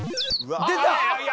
出た！